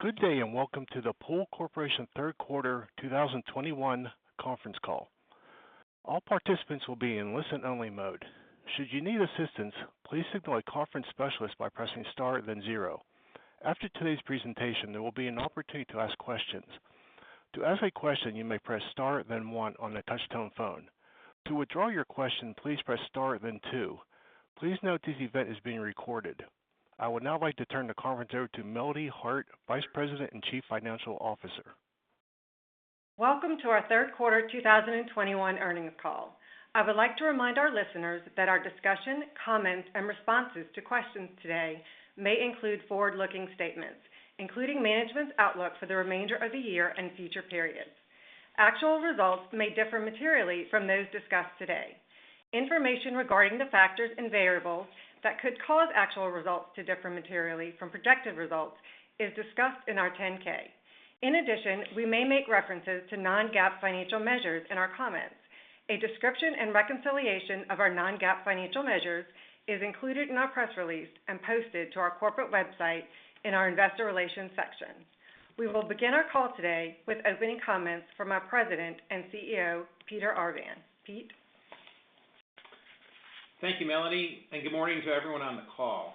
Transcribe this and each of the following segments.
Good day, and welcome to the Pool Corporation third quarter 2021 conference call. All participants will be in listen-only mode. Should you need assistance, please signal a conference specialist by pressing star then zero. After today's presentation, there will be an opportunity to ask questions. To ask a question, you may press star then one on a touch-tone phone. To withdraw your question, please press star then two. Please note this event is being recorded. I would now like to turn the conference over to Melanie Hart, Vice President and Chief Financial Officer. Welcome to our third quarter 2021 earnings call. I would like to remind our listeners that our discussion, comments, and responses to questions today may include forward-looking statements, including management's outlook for the remainder of the year and future periods. Actual results may differ materially from those discussed today. Information regarding the factors and variables that could cause actual results to differ materially from projected results is discussed in our 10-K. We may make references to non-GAAP financial measures in our comments. A description and reconciliation of our non-GAAP financial measures is included in our press release and posted to our corporate website in our investor relations section. We will begin our call today with opening comments from our President and CEO, Peter Arvan. Pete? Thank you, Melanie, and good morning to everyone on the call.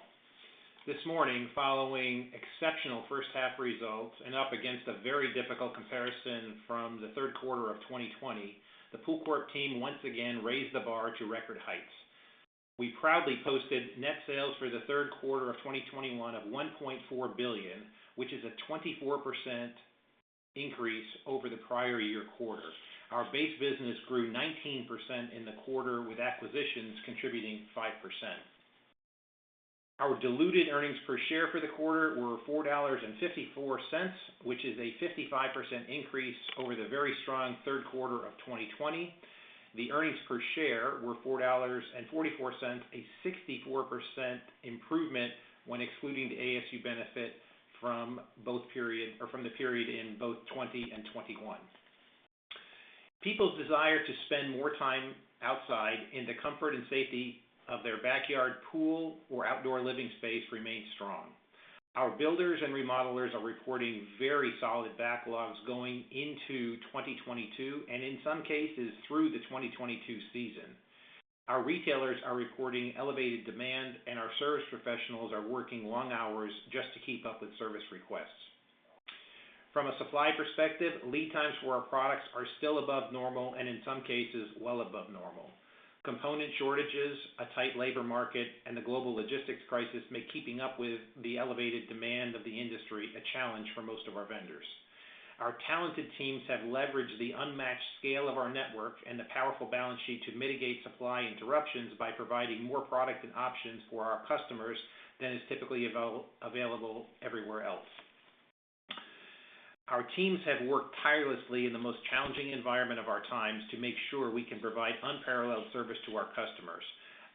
This morning, following exceptional first half results and up against a very difficult comparison from the third quarter of 2020, the POOLCORP team once again raised the bar to record heights. We proudly posted net sales for the third quarter of 2021 of $1.4 billion, which is a 24% increase over the prior year quarter. Our base business grew 19% in the quarter, with acquisitions contributing 5%. Our diluted earnings per share for the quarter were $4.54, which is a 55% increase over the very strong third quarter of 2020. The earnings per share were $4.44, a 64% improvement when excluding the ASU benefit from the period in both 2020 and 2021. People's desire to spend more time outside in the comfort and safety of their backyard pool or outdoor living space remains strong. Our builders and remodelers are reporting very solid backlogs going into 2022, and in some cases, through the 2022 season. Our retailers are reporting elevated demand, and our service professionals are working long hours just to keep up with service requests. From a supply perspective, lead times for our products are still above normal, and in some cases, well above normal. Component shortages, a tight labor market, and the global logistics crisis make keeping up with the elevated demand of the industry a challenge for most of our vendors. Our talented teams have leveraged the unmatched scale of our network and the powerful balance sheet to mitigate supply interruptions by providing more product and options for our customers than is typically available everywhere else. Our teams have worked tirelessly in the most challenging environment of our times to make sure we can provide unparalleled service to our customers.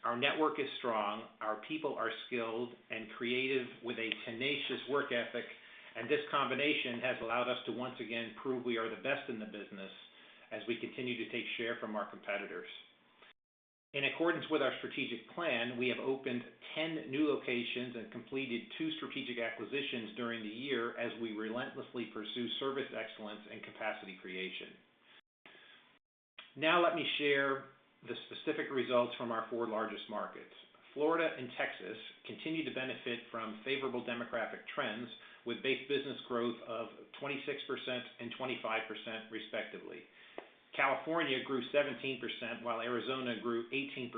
Our network is strong, our people are skilled and creative with a tenacious work ethic, this combination has allowed us to once again prove we are the best in the business as we continue to take share from our competitors. In accordance with our strategic plan, we have opened 10 new locations and completed two strategic acquisitions during the year as we relentlessly pursue service excellence and capacity creation. Let me share the specific results from our four largest markets. Florida and Texas continue to benefit from favorable demographic trends, with base business growth of 26% and 25% respectively. California grew 17%, while Arizona grew 18%,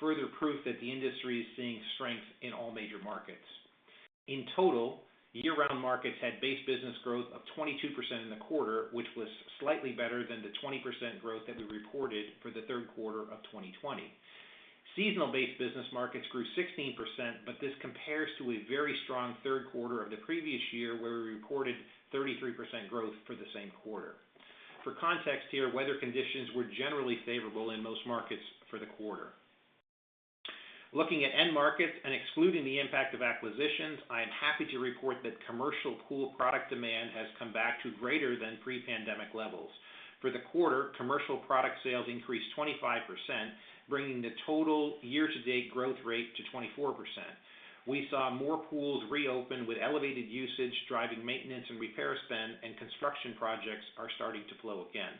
further proof that the industry is seeing strength in all major markets. Total, year-round markets had base business growth of 22% in the quarter, which was slightly better than the 20% growth that we reported for the third quarter of 2020. Seasonal-based business markets grew 16%, but this compares to a very strong third quarter of the previous year, where we reported 33% growth for the same quarter. For context here, weather conditions were generally favorable in most markets for the quarter. Looking at end markets and excluding the impact of acquisitions, I am happy to report that commercial pool product demand has come back to greater than pre-pandemic levels. For the quarter, commercial product sales increased 25%, bringing the total year-to-date growth rate to 24%. We saw more pools reopen with elevated usage, driving maintenance and repair spend, and construction projects are starting to flow again.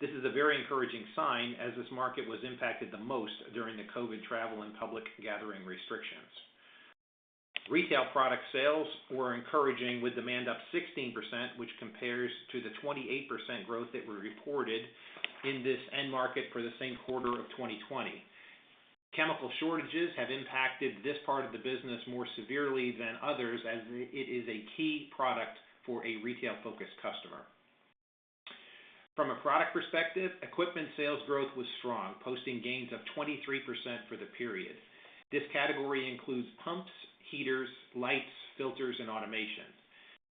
This is a very encouraging sign, as this market was impacted the most during the COVID travel and public gathering restrictions. Retail product sales were encouraging with demand up 16%, which compares to the 28% growth that we reported in this end market for the same quarter of 2020. Chemical shortages have impacted this part of the business more severely than others, as it is a key product for a retail-focused customer. From a product perspective, equipment sales growth was strong, posting gains of 23% for the period. This category includes pumps, heaters, lights, filters, and automation.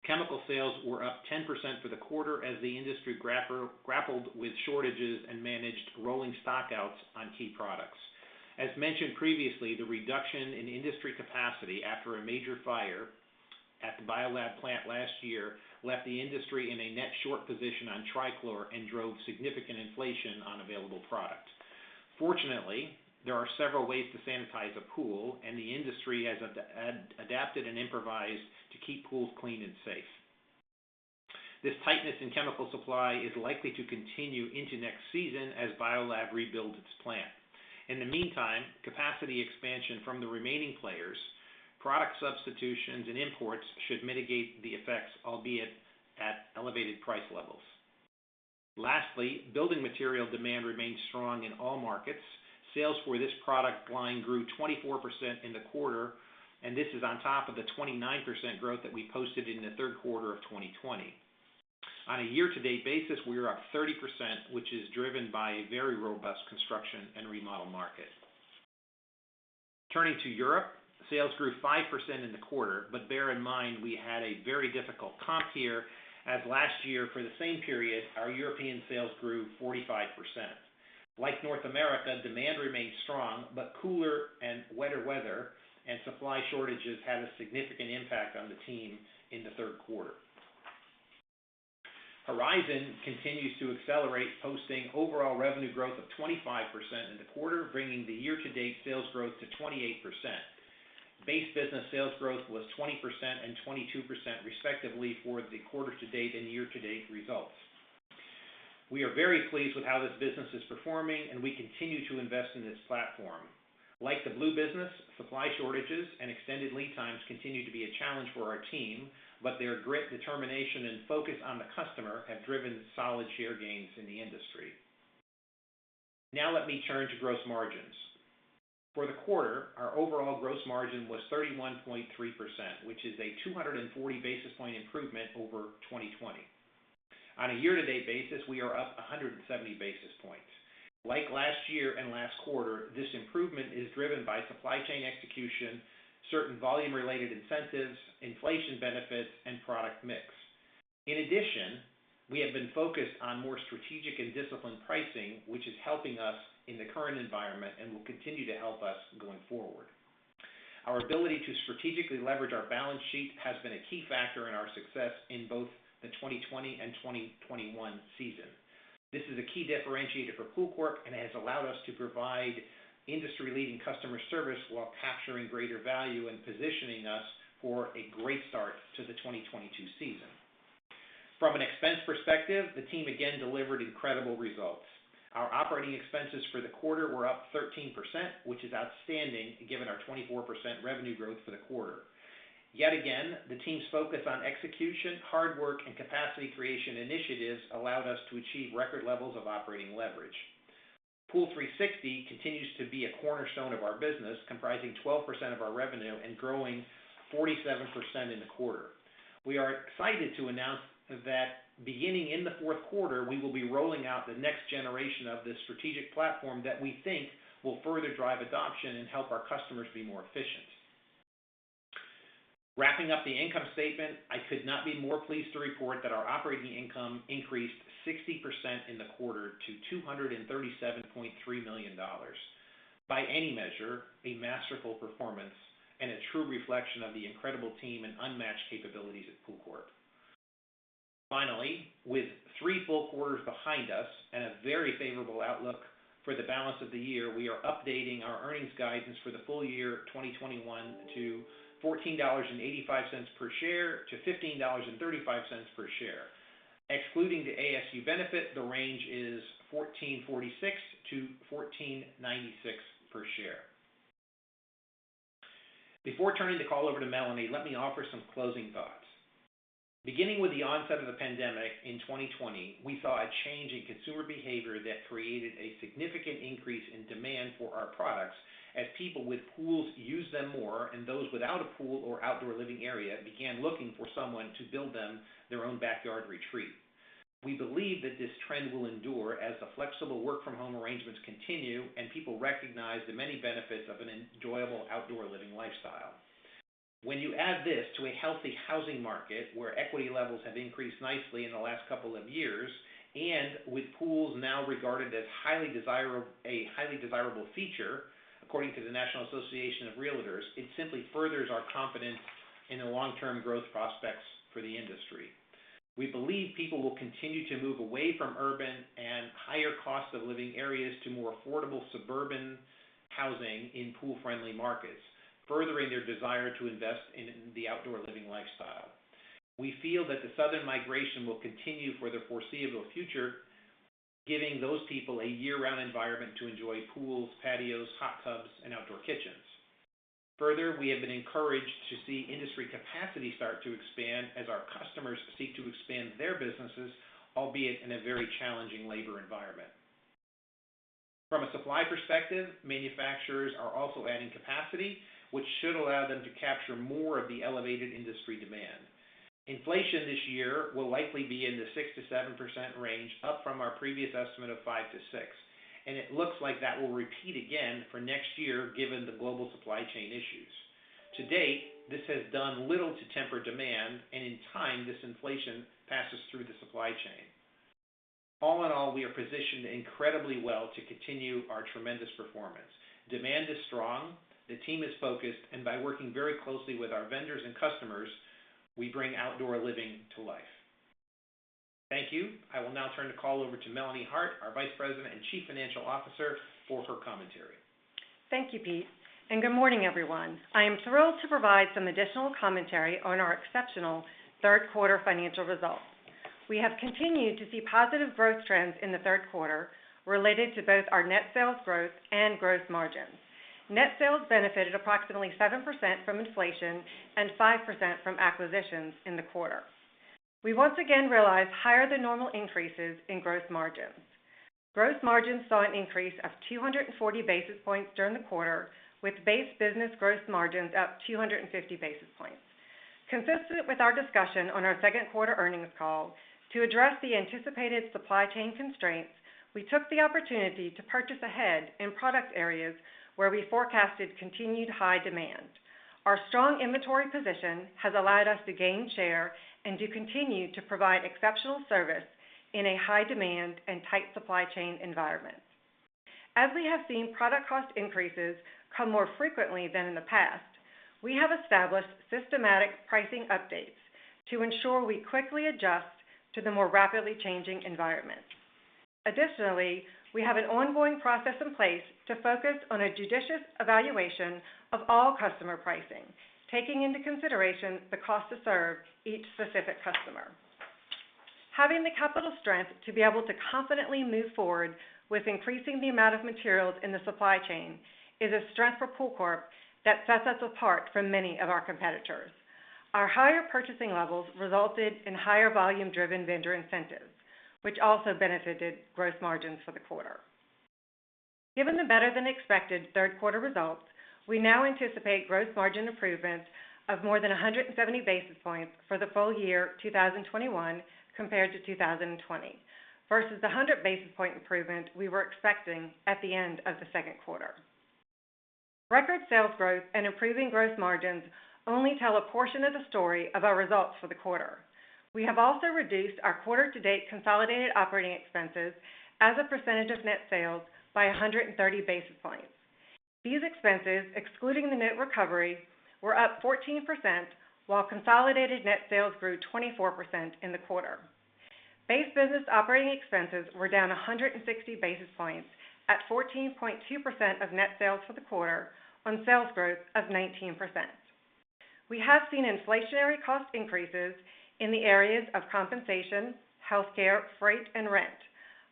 Chemical sales were up 10% for the quarter as the industry grappled with shortages and managed rolling stock-outs on key products. As mentioned previously, the reduction in industry capacity after a major fire at the BioLab plant last year, left the industry in a net short position on trichlor and drove significant inflation on available product. Fortunately, there are several ways to sanitize a pool, and the industry has adapted and improvised to keep pools clean and safe. This tightness in chemical supply is likely to continue into next season as BioLab rebuilds its plant. In the meantime, capacity expansion from the remaining players, product substitutions, imports should mitigate the effects, albeit at elevated price levels. Lastly, building material demand remains strong in all markets. Sales for this product line grew 24% in the quarter, and this is on top of the 29% growth that we posted in the third quarter of 2020. On a year-to-date basis, we are up 30%, which is driven by a very robust construction and remodel market. Turning to Europe, sales grew 5% in the quarter. Bear in mind, we had a very difficult comp here as last year for the same period, our European sales grew 45%. Like North America, demand remained strong, but cooler and wetter weather and supply shortages had a significant impact on the team in the third quarter. Horizon continues to accelerate, posting overall revenue growth of 25% in the quarter, bringing the year-to-date sales growth to 28%. Base business sales growth was 20% and 22% respectively for the quarter-to-date and year-to-date results. We are very pleased with how this business is performing, and we continue to invest in this platform. Like the Blue business, supply shortages and extended lead times continue to be a challenge for our team, but their grit, determination, and focus on the customer have driven solid share gains in the industry. Now let me turn to gross margins. For the quarter, our overall gross margin was 31.3%, which is a 240-basis point improvement over 2020. On a year-to-date basis, we are up 170 basis points. Like last year and last quarter, this improvement is driven by supply chain execution, certain volume-related incentives, inflation benefits, and product mix. In addition, we have been focused on more strategic and disciplined pricing, which is helping us in the current environment and will continue to help us going forward. Our ability to strategically leverage our balance sheet has been a key factor in our success in both the 2020 and 2021 season. This is a key differentiator for POOLCORP, and has allowed us to provide industry-leading customer service while capturing greater value and positioning us for a great start to the 2022 season. From an expense perspective, the team again delivered incredible results. Our operating expenses for the quarter were up 13%, which is outstanding given our 24% revenue growth for the quarter. Yet again, the team's focus on execution, hard work, and capacity creation initiatives allowed us to achieve record levels of operating leverage. POOL360 continues to be a cornerstone of our business, comprising 12% of our revenue and growing 47% in the quarter. We are excited to announce that beginning in the fourth quarter, we will be rolling out the next generation of this strategic platform that we think will further drive adoption and help our customers be more efficient. Wrapping up the income statement, I could not be more pleased to report that our operating income increased 60% in the quarter to $237.3 million. By any measure, a masterful performance and a true reflection of the incredible team and unmatched capabilities at POOLCORP. Finally, with three full quarters behind us and a very favorable outlook for the balance of the year, we are updating our earnings guidance for the full year of 2021 to $14.85 per share-$15.35 per share. Excluding the ASU benefit, the range is $14.46-$14.96 per share. Before turning the call over to Melanie, let me offer some closing thoughts. Beginning with the onset of the pandemic in 2020, we saw a change in consumer behavior that created a significant increase in demand for our products as people with pools used them more, and those without a pool or outdoor living area began looking for someone to build them their own backyard retreat. We believe that this trend will endure as the flexible work-from-home arrangements continue, and people recognize the many benefits of an enjoyable outdoor living lifestyle. When you add this to a healthy housing market, where equity levels have increased nicely in the last couple of years, and with pools now regarded as a highly desirable feature, according to the National Association of Realtors, it simply furthers our confidence in the long-term growth prospects for the industry. We believe people will continue to move away from urban and higher cost of living areas to more affordable suburban housing in pool-friendly markets, furthering their desire to invest in the outdoor living lifestyle. We feel that the Southern migration will continue for the foreseeable future, giving those people a year-round environment to enjoy pools, patios, hot tubs, and outdoor kitchens. Further, we have been encouraged to see industry capacity start to expand as our customers seek to expand their businesses, albeit in a very challenging labor environment. From a supply perspective, manufacturers are also adding capacity, which should allow them to capture more of the elevated industry demand. Inflation this year will likely be in the 6%-7% range, up from our previous estimate of 5%-6%. It looks like that will repeat again for next year given the global supply chain issues. To date, this has done little to temper demand, and in time, this inflation passes through the supply chain. All in all, we are positioned incredibly well to continue our tremendous performance. Demand is strong, the team is focused, and by working very closely with our vendors and customers, we bring outdoor living to life. Thank you. I will now turn the call over to Melanie Hart, our Vice President and Chief Financial Officer, for her commentary. Thank you, Pete, and good morning, everyone. I am thrilled to provide some additional commentary on our exceptional third quarter financial results. We have continued to see positive growth trends in the third quarter related to both our net sales growth and gross margins. Net sales benefited approximately 7% from inflation and 5% from acquisitions in the quarter. We once again realized higher than normal increases in gross margins. Gross margins saw an increase of 240 basis points during the quarter, with base business gross margins up 250 basis points. Consistent with our discussion on our second quarter earnings call, to address the anticipated supply chain constraints, we took the opportunity to purchase ahead in product areas where we forecasted continued high demand. Our strong inventory position has allowed us to gain share and to continue to provide exceptional service in a high demand and tight supply chain environment. As we have seen product cost increases come more frequently than in the past, we have established systematic pricing updates to ensure we quickly adjust to the more rapidly changing environment. Additionally, we have an ongoing process in place to focus on a judicious evaluation of all customer pricing, taking into consideration the cost to serve each specific customer. Having the capital strength to be able to confidently move forward with increasing the amount of materials in the supply chain is a strength for POOLCORP that sets us apart from many of our competitors. Our higher purchasing levels resulted in higher volume-driven vendor incentives, which also benefited gross margins for the quarter. Given the better than expected third quarter results, we now anticipate gross margin improvements of more than 170 basis points for the full year 2021 compared to 2020, versus the 100 basis point improvement we were expecting at the end of the second quarter. Record sales growth and improving gross margins only tell a portion of the story of our results for the quarter. We have also reduced our quarter to date consolidated operating expenses as a percentage of net sales by 130 basis points. These expenses, excluding the net recovery, were up 14%, while consolidated net sales grew 24% in the quarter. Base business operating expenses were down 160 basis points at 14.2% of net sales for the quarter on sales growth of 19%. We have seen inflationary cost increases in the areas of compensation, healthcare, freight, and rent.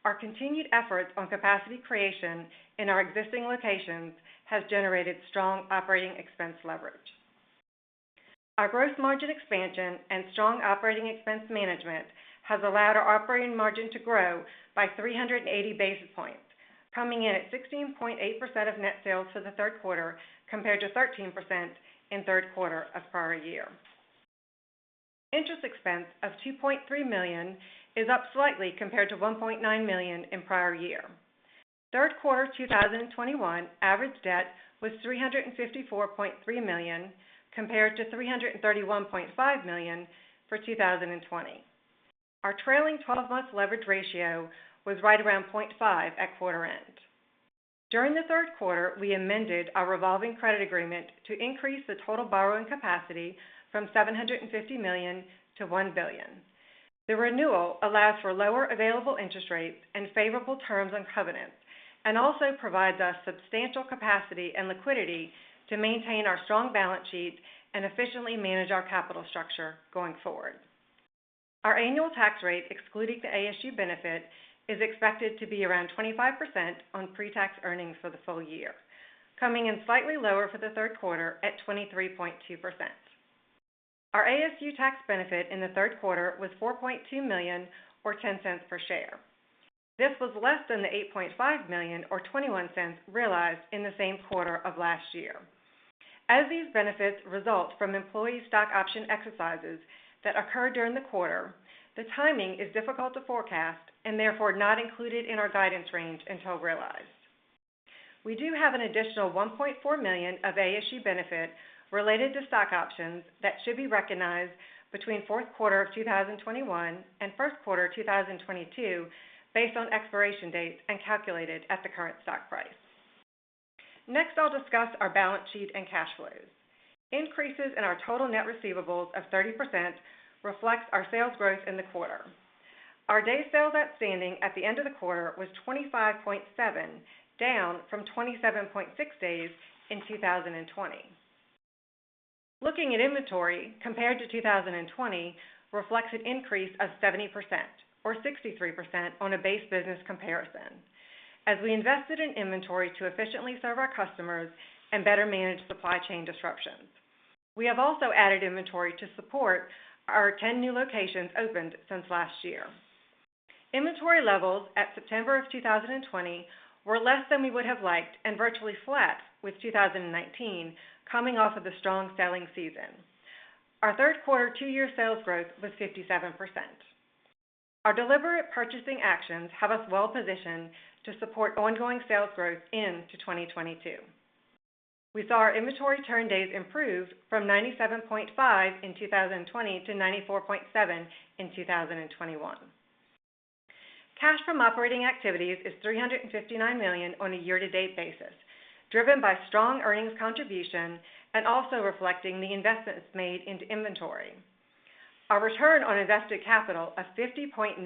Our continued efforts on capacity creation in our existing locations has generated strong operating expense leverage. Our gross margin expansion and strong operating expense management has allowed our operating margin to grow by 380 basis points, coming in at 16.8% of net sales for the third quarter, compared to 13% in third quarter of prior year. Interest expense of $2.3 million is up slightly compared to $1.9 million in prior year. Third quarter 2021 average debt was $354.3 million, compared to $331.5 million for 2020. Our trailing 12-month leverage ratio was right around 0.5x at quarter end. During the third quarter, we amended our revolving credit agreement to increase the total borrowing capacity from $750 million-$1 billion. The renewal allows for lower available interest rates and favorable terms on covenants and also provides us substantial capacity and liquidity to maintain our strong balance sheet and efficiently manage our capital structure going forward. Our annual tax rate, excluding the ASU benefit, is expected to be around 25% on pre-tax earnings for the full year, coming in slightly lower for the third quarter at 23.2%. Our ASU tax benefit in the third quarter was $4.2 million or $0.10 per share. This was less than the $8.5 million or $0.21 realized in the same quarter of last year. As these benefits result from employee stock option exercises that occur during the quarter, the timing is difficult to forecast and therefore not included in our guidance range until realized. We do have an additional $1.4 million of ASU benefit related to stock options that should be recognized between fourth quarter of 2021 and first quarter 2022 based on expiration dates and calculated at the current stock price. I'll discuss our balance sheet and cash flows. Increases in our total net receivables of 30% reflects our sales growth in the quarter. Our days sales outstanding at the end of the quarter was 25.7, down from 27.6 days in 2020. Looking at inventory compared to 2020 reflects an increase of 70%, or 63% on a base business comparison as we invested in inventory to efficiently serve our customers and better manage supply chain disruptions. We have also added inventory to support our 10 new locations opened since last year. Inventory levels at September 2020 were less than we would have liked and virtually flat with 2019 coming off of a strong selling season. Our third quarter two-year sales growth was 57%. Our deliberate purchasing actions have us well positioned to support ongoing sales growth into 2022. We saw our inventory turn days improve from 97.5 in 2020 to 94.7 in 2021. Cash from operating activities is $359 million on a year-to-date basis, driven by strong earnings contribution and also reflecting the investments made into inventory. Our return on invested capital of 50.9%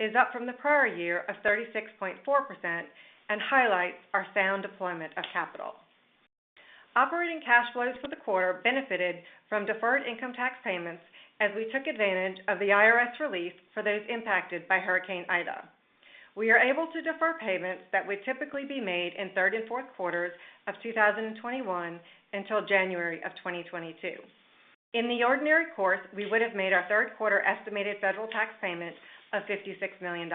is up from the prior year of 36.4% and highlights our sound deployment of capital. Operating cash flows for the quarter benefited from deferred income tax payments as we took advantage of the IRS relief for those impacted by Hurricane Ida. We are able to defer payments that would typically be made in third and fourth quarters of 2021 until January of 2022. In the ordinary course, we would have made our third quarter estimated federal tax payment of $56 million.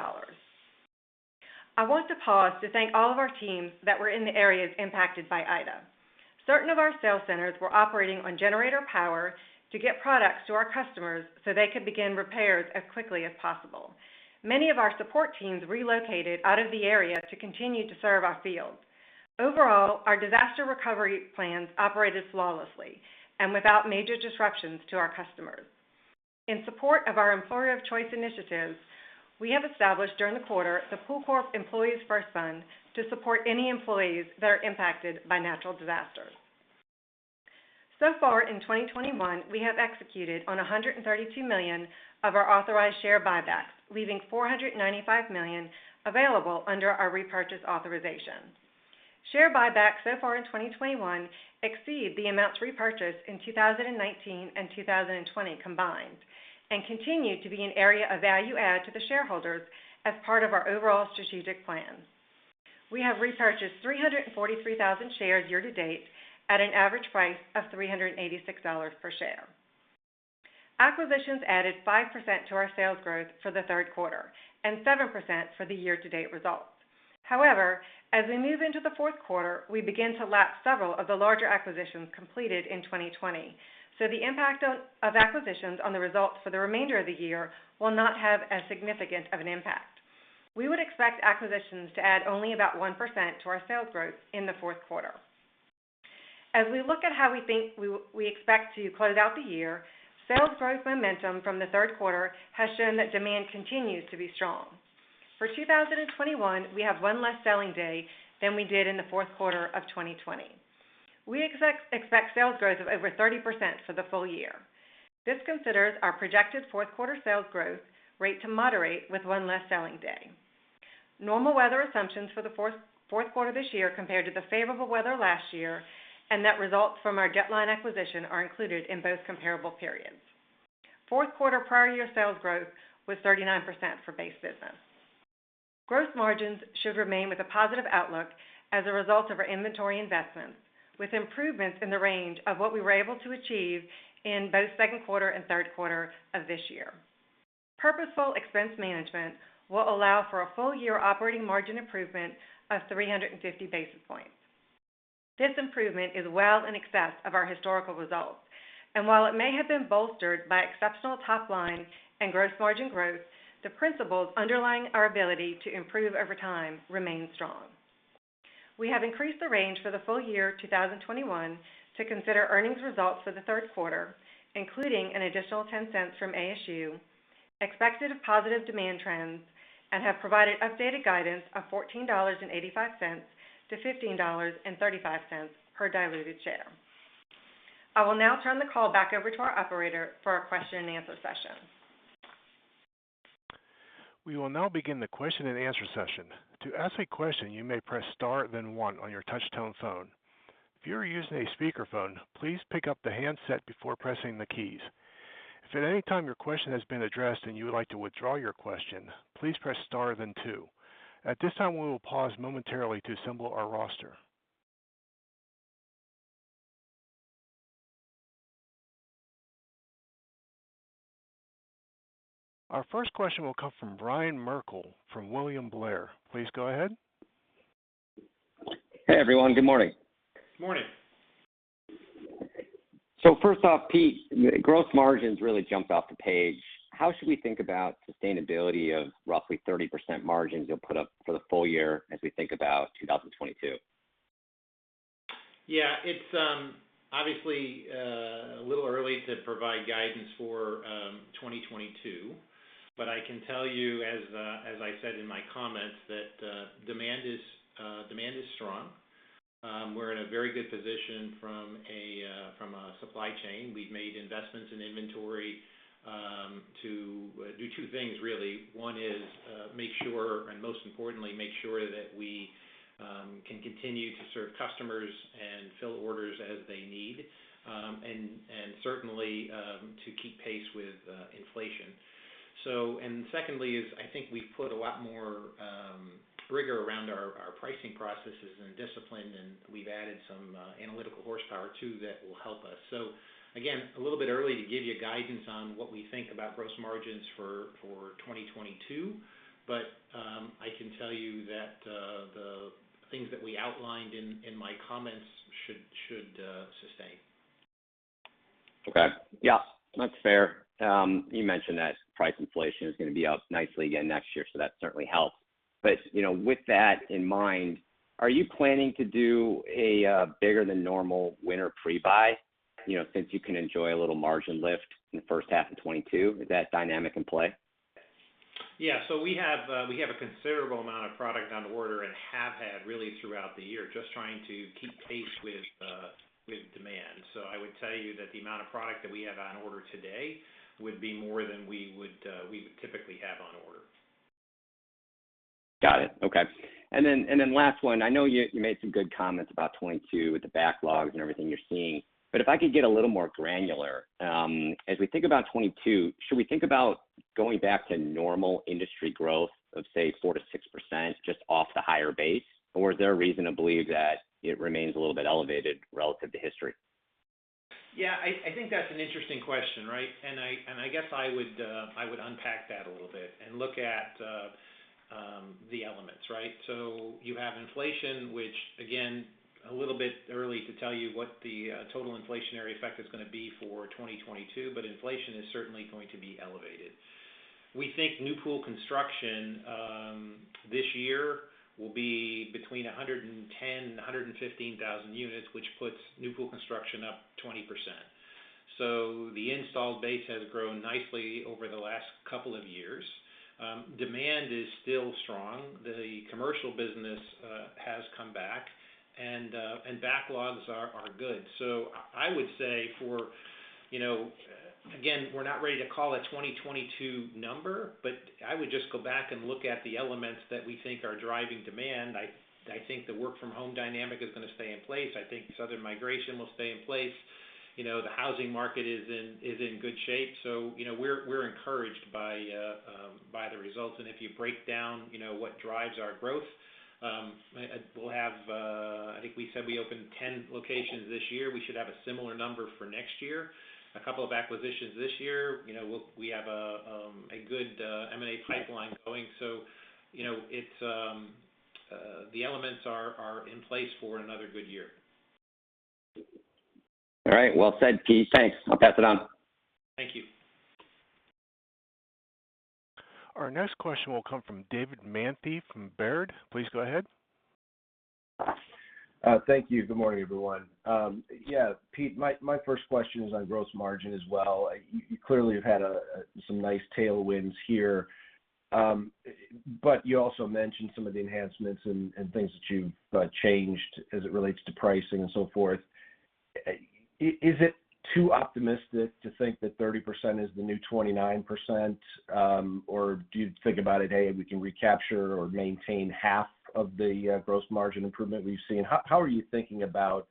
I want to pause to thank all of our teams that were in the areas impacted by Ida. Certain of our sales centers were operating on generator power to get products to our customers so they could begin repairs as quickly as possible. Many of our support teams relocated out of the area to continue to serve our field. Overall, our disaster recovery plans operated flawlessly and without major disruptions to our customers. In support of our employer of choice initiatives, we have established during the quarter the POOLCORP Employees 1st Fund to support any employees that are impacted by natural disasters. So far in 2021, we have executed on $132 million of our authorized share buybacks, leaving $495 million available under our repurchase authorization. Share buybacks so far in 2021 exceed the amounts repurchased in 2019 and 2020 combined and continue to be an area of value add to the shareholders as part of our overall strategic plan. We have repurchased 343,000 shares year to date at an average price of $386 per share. Acquisitions added 5% to our sales growth for the third quarter and 7% for the year-to-date results. As we move into the fourth quarter, we begin to lap several of the larger acquisitions completed in 2020. The impact of acquisitions on the results for the remainder of the year will not have as significant of an impact. We would expect acquisitions to add only about 1% to our sales growth in the fourth quarter. As we look at how we think we expect to close out the year, sales growth momentum from the third quarter has shown that demand continues to be strong. For 2021, we have one less selling day than we did in the fourth quarter of 2020. We expect sales growth of over 30% for the full year. This considers our projected fourth quarter sales growth rate to moderate with one less selling day. Normal weather assumptions for the fourth quarter this year compared to the favorable weather last year, and net results from our Jet Line acquisition are included in both comparable periods. Fourth quarter prior year sales growth was 39% for base business. Gross margins should remain with a positive outlook as a result of our inventory investments, with improvements in the range of what we were able to achieve in both second quarter and third quarter of this year. Purposeful expense management will allow for a full year operating margin improvement of 350 basis points. This improvement is well in excess of our historical results. While it may have been bolstered by exceptional top line and gross margin growth, the principles underlying our ability to improve over time remain strong. We have increased the range for the full year 2021 to consider earnings results for the third quarter, including an additional $0.10 from ASU, expected positive demand trends, and have provided updated guidance of $14.85-$15.35 per diluted share. I will now turn the call back over to our Operator for our question and answer session. We will now begin the question and answer session. To ask a question, you may press star then one on your touch-tone phone. If you are using a speakerphone, please pick up the handset before pressing the keys. If at any time your question has been addressed and you would like to withdraw your question, please press star then two. At this time, we will pause momentarily to assemble our roster. Our first question will come from Ryan Merkel from William Blair. Please go ahead. Hey, everyone. Good morning. Morning. First off, Pete, gross margins really jumped off the page. How should we think about sustainability of roughly 30% margins you'll put up for the full year as we think about 2022? Yeah, it's obviously a little early to provide guidance for 2022. I can tell you, as I said in my comments, that demand is strong. We're in a very good position from a supply chain. We've made investments in inventory to do two things, really. One is make sure, and most importantly, make sure that we can continue to serve customers and fill orders as they need, and certainly, to keep pace with inflation. Secondly is I think we've put a lot more rigor around our pricing processes and discipline, and we've added some analytical horsepower too that will help us. Again, a little bit early to give you guidance on what we think about gross margins for 2022. I can tell you that the things that we outlined in my comments should sustain. Okay. Yeah. That's fair. You mentioned that price inflation is going to be up nicely again next year, so that certainly helps. With that in mind, are you planning to do a bigger than normal winter pre-buy, since you can enjoy a little margin lift in the first half of 2022? Is that dynamic in play? Yeah. We have a considerable amount of product on order and have had really throughout the year, just trying to keep pace with demand. I would tell you that the amount of product that we have on order today would be more than we would typically have on order. Got it. Okay. Last one, I know you made some good comments about 2022 with the backlogs and everything you're seeing, but if I could get a little more granular. As we think about 2022, should we think about going back to normal industry growth of say 4%-6% just off the higher base, or is there reason to believe that it remains a little bit elevated relative to history? I think that's an interesting question, right? I guess I would unpack that a little bit and look at the elements, right? You have inflation, which again, a little bit early to tell you what the total inflationary effect is going to be for 2022, but inflation is certainly going to be elevated. We think new pool construction this year will be between 110,000 and 115,000 units, which puts new pool construction up 20%. The installed base has grown nicely over the last couple of years. Demand is still strong. The commercial business has come back, and backlogs are good. I would say for, again, we're not ready to call a 2022 number, but I would just go back and look at the elements that we think are driving demand. I think the work from home dynamic is going to stay in place. I think southern migration will stay in place. The housing market is in good shape. We're encouraged by the results, and if you break down what drives our growth, I think we said we opened 10 locations this year. We should have a similar number for next year. A couple of acquisitions this year. We have a good M&A pipeline going. The elements are in place for another good year. All right. Well said, Pete. Thanks. I'll pass it on. Thank you. Our next question will come from David Manthey from Baird. Please go ahead. Thank you. Good morning, everyone. Pete, my first question is on gross margin as well. You clearly have had some nice tailwinds here. You also mentioned some of the enhancements and things that you've changed as it relates to pricing and so forth. Is it too optimistic to think that 30% is the new 29%? Or do you think about it, "Hey, we can recapture or maintain half of the gross margin improvement we've seen." How are you thinking about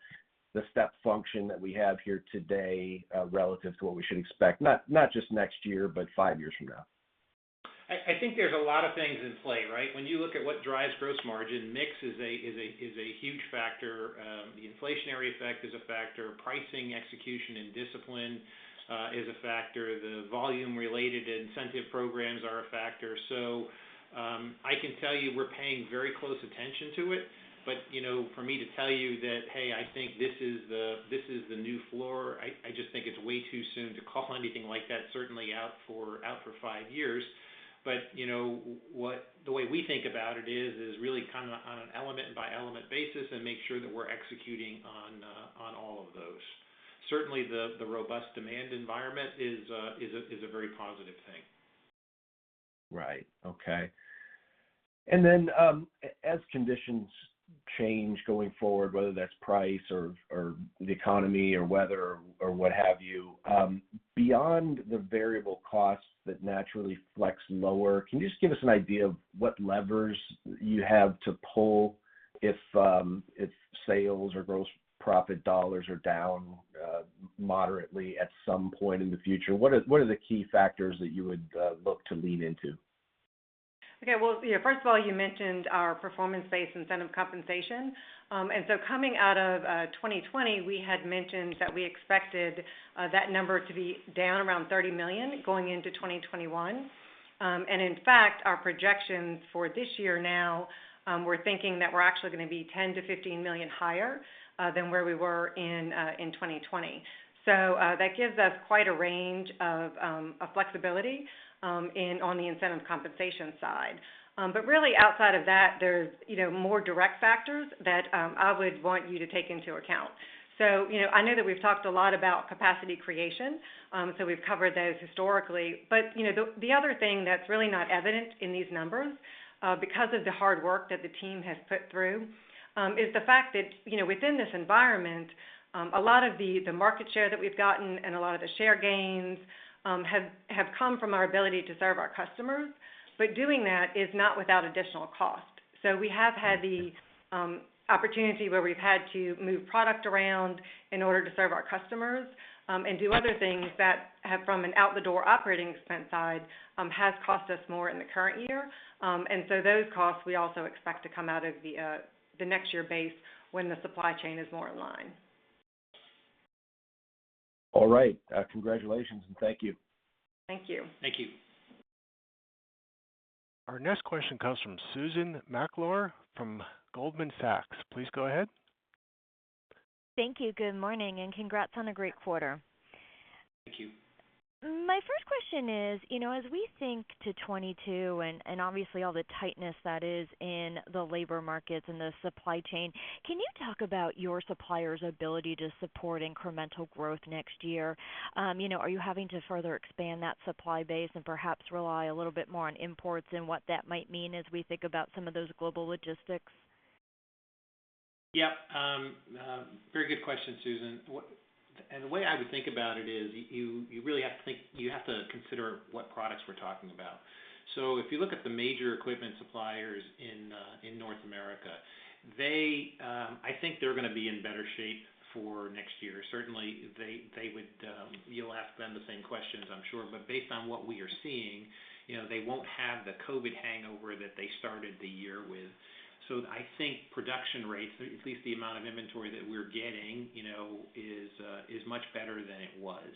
the step function that we have here today, relative to what we should expect, not just next year, but five years from now? I think there's a lot of things in play, right? When you look at what drives gross margin, mix is a huge factor. The inflationary effect is a factor. Pricing execution and discipline is a factor. The volume-related incentive programs are a factor. I can tell you we're paying very close attention to it, but for me to tell you that, hey, I think this is the new floor, I just think it's way too soon to call anything like that, certainly out for five years. The way we think about it is really kind of on an element by element basis and make sure that we're executing on all of those. Certainly, the robust demand environment is a very positive thing. Right. Okay. As conditions change going forward, whether that's price or the economy or weather or what have you, beyond the variable costs that naturally flex lower, can you just give us an idea of what levers you have to pull if sales or gross profit dollars are down moderately at some point in the future? What are the key factors that you would look to lean into? Okay. Well, first of all, you mentioned our performance-based incentive compensation. Coming out of 2020, we had mentioned that we expected that number to be down around $30 million going into 2021. In fact, our projections for this year now, we're thinking that we're actually going to be $10 million-$15 million higher than where we were in 2020. That gives us quite a range of flexibility on the incentive compensation side. Outside of that, there's more direct factors that I would want you to take into account. I know that we've talked a lot about capacity creation, so we've covered those historically. The other thing that's really not evident in these numbers, because of the hard work that the team has put through, is the fact that within this environment, a lot of the market share that we've gotten and a lot of the share gains have come from our ability to serve our customers, but doing that is not without additional cost. We have had the opportunity where we've had to move product around in order to serve our customers, and do other things that have from an out-the-door operating expense side, has cost us more in the current year. Those costs, we also expect to come out of the next year base when the supply chain is more in line. All right. Congratulations and thank you. Thank you. Thank you. Our next question comes from Susan Maklari from Goldman Sachs. Please go ahead. Thank you. Good morning, and congrats on a great quarter. Thank you. My first question is, as we think to 2022, and obviously all the tightness that is in the labor markets and the supply chain, can you talk about your suppliers' ability to support incremental growth next year? Are you having to further expand that supply base and perhaps rely a little bit more on imports and what that might mean as we think about some of those global logistics? Yeah. Very good question, Susan. The way I would think about it is you really have to consider what products we're talking about. If you look at the major equipment suppliers in North America, I think they're going to be in better shape for next year. Certainly, you'll ask them the same questions, I'm sure. Based on what we are seeing, they won't have the COVID hangover that they started the year with. I think production rates, at least the amount of inventory that we're getting, is much better than it was.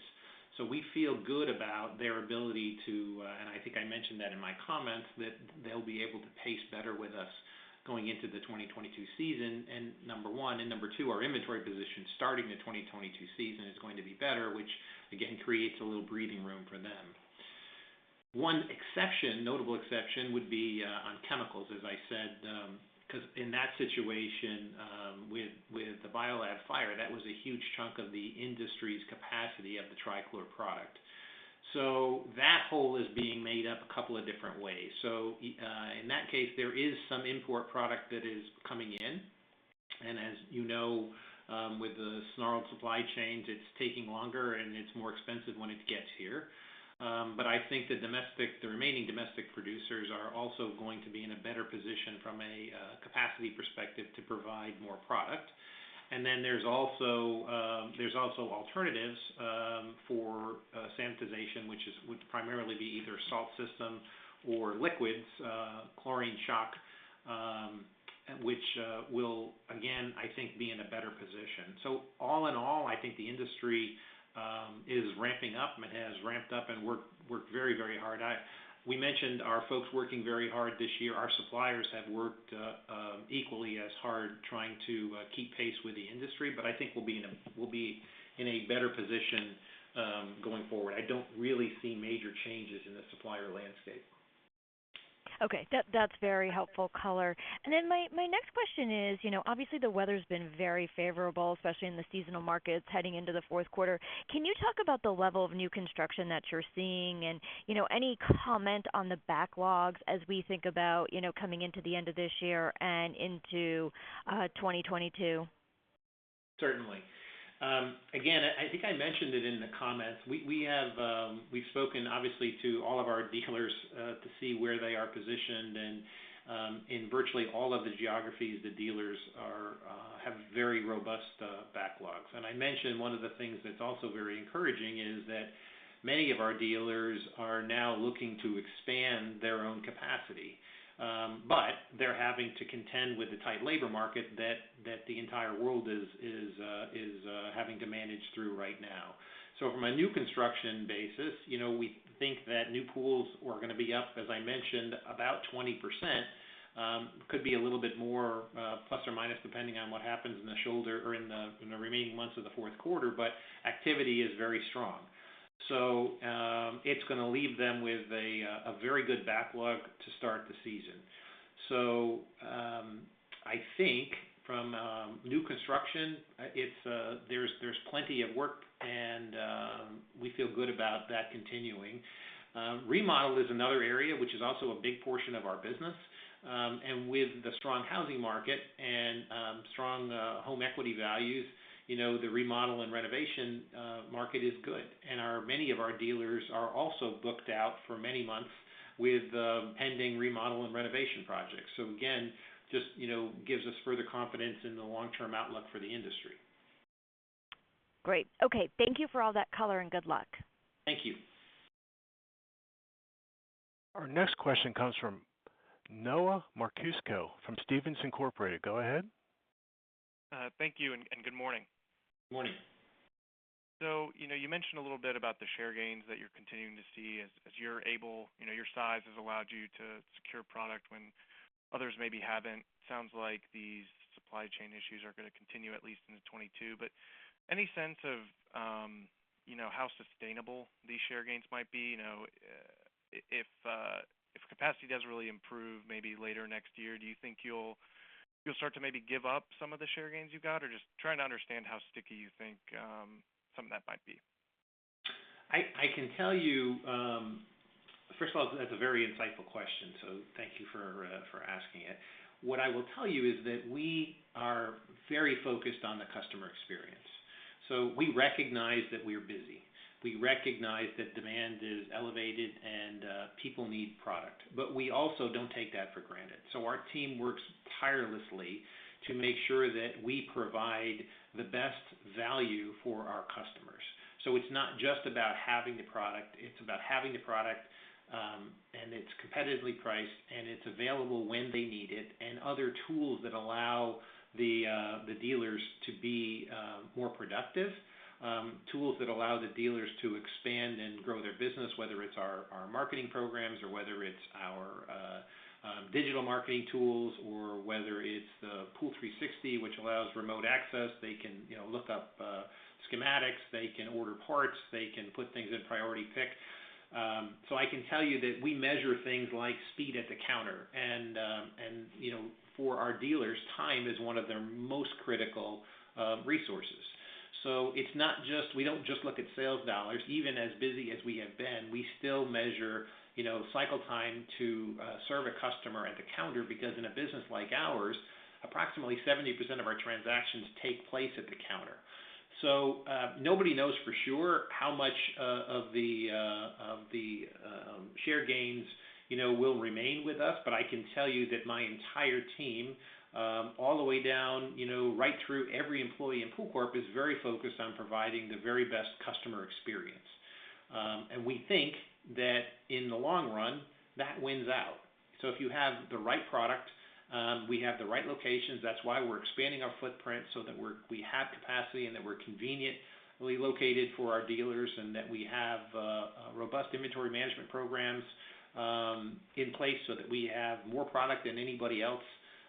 We feel good about their ability to, and I think I mentioned that in my comments, that they'll be able to pace better with us going into the 2022 season, number one. Number two, our inventory position starting the 2022 season is going to be better, which again creates a little breathing room for them. One notable exception would be on chemicals, as I said, because in that situation, with the BioLab fire, that was a huge chunk of the industry's capacity of the trichlor product. That hole is being made up a couple of different ways. In that case, there is some import product that is coming in, and as you know, with the snarled supply chains, it's taking longer, and it's more expensive when it gets here. I think the remaining domestic producers are also going to be in a better position from a capacity perspective to provide more product. There's also alternatives for sanitization, which would primarily be either salt system or liquids, chlorine shock, which will, again, I think, be in a better position. All in all, I think the industry is ramping up. It has ramped up and worked very hard. We mentioned our folks working very hard this year. Our suppliers have worked equally as hard trying to keep pace with the industry, but I think we'll be in a better position going forward. I don't really see major changes in the supplier landscape. Okay. That's very helpful color. My next question is, obviously the weather's been very favorable, especially in the seasonal markets heading into the fourth quarter. Can you talk about the level of new construction that you're seeing and any comment on the backlogs as we think about coming into the end of this year and into 2022? I think I mentioned it in the comments. We've spoken, obviously, to all of our dealers to see where they are positioned, and in virtually all of the geographies, the dealers have very robust backlogs. I mentioned one of the things that's also very encouraging is that many of our dealers are now looking to expand their own capacity. They're having to contend with the tight labor market that the entire world is having to manage through right now. From a new construction basis, we think that new pools are going to be up, as I mentioned, about 20%. Could be a little bit more, plus or minus, depending on what happens in the shoulder or in the remaining months of the fourth quarter, but activity is very strong. It's going to leave them with a very good backlog to start the season. I think from new construction, there's plenty of work, and we feel good about that continuing. Remodel is another area which is also a big portion of our business. With the strong housing market and strong home equity values, the remodel and renovation market is good, and many of our dealers are also booked out for many months with pending remodel and renovation projects. Again, just gives us further confidence in the long-term outlook for the industry. Great. Okay. Thank you for all that color and good luck. Thank you. Our next question comes from Noah Merkousko from Stephens Incorporated. Go ahead. Thank you, and good morning. Morning. You mentioned a little bit about the share gains that you're continuing to see as you're able. Your size has allowed you to secure product when others maybe haven't. Sounds like these supply chain issues are going to continue at least into 2022. Any sense of how sustainable these share gains might be? If capacity does really improve maybe later next year, do you think you'll start to maybe give up some of the share gains you got? Just trying to understand how sticky you think some of that might be? I can tell you, first of all, that's a very insightful question, so thank you for asking it. What I will tell you is that we are very focused on the customer experience. We recognize that we're busy. We recognize that demand is elevated, and people need product. We also don't take that for granted. Our team works tirelessly to make sure that we provide the best value for our customers. It's not just about having the product, it's about having the product, and it's competitively priced, and it's available when they need it, and other tools that allow the dealers to be more productive. Tools that allow the dealers to expand and grow their business, whether it's our marketing programs or whether it's our digital marketing tools, or whether it's the POOL360, which allows remote access. They can look up schematics, they can order parts, they can put things in priority pick. I can tell you that we measure things like speed at the counter. For our dealers, time is one of their most critical resources. We don't just look at sales dollars. Even as busy as we have been, we still measure cycle time to serve a customer at the counter, because in a business like ours, approximately 70% of our transactions take place at the counter. Nobody knows for sure how much of the share gains will remain with us. I can tell you that my entire team, all the way down, right through every employee in POOLCORP, is very focused on providing the very best customer experience. We think that in the long run, that wins out. If you have the right product, we have the right locations. That's why we're expanding our footprint so that we have capacity and that we're conveniently located for our dealers, and that we have robust inventory management programs in place so that we have more product than anybody else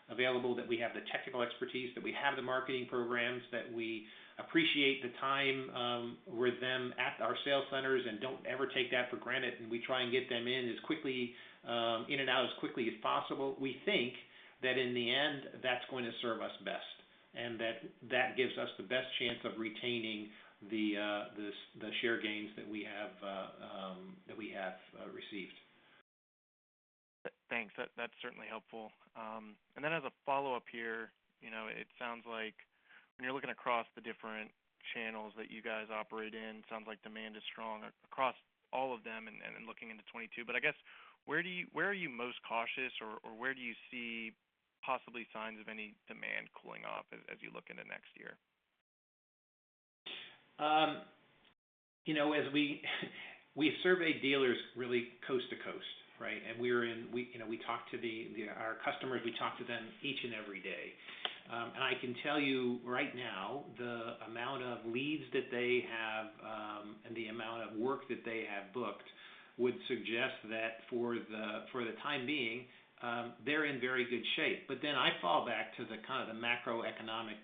available, that we have the technical expertise, that we have the marketing programs, that we appreciate the time with them at our sales centers and don't ever take that for granted. We try and get them in and out as quickly as possible. We think that in the end, that's going to serve us best, and that gives us the best chance of retaining the share gains that we have received. Thanks. That's certainly helpful. Then as a follow-up here, it sounds like when you're looking across the different channels that you guys operate in, sounds like demand is strong across all of them and looking into 2022. I guess, where are you most cautious or where do you see possibly signs of any demand cooling off as you look into next year? We survey dealers really coast to coast, right? Our customers, we talk to them each and every day. I can tell you right now, the amount of leads that they have and the amount of work that they have booked would suggest that for the time being, they're in very good shape. I fall back to the kind of macroeconomic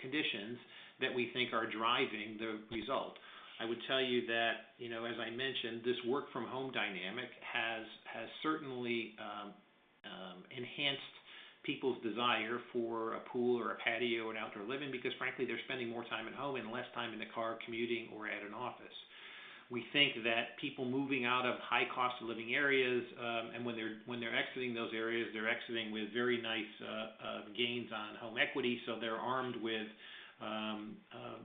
conditions that we think are driving the result. I would tell you that, as I mentioned, this work from home dynamic has certainly enhanced people's desire for a pool or a patio and outdoor living because frankly, they're spending more time at home and less time in the car commuting or at an office. We think that people moving out of high cost of living areas, and when they're exiting those areas, they're exiting with very nice gains on home equity, so they're armed with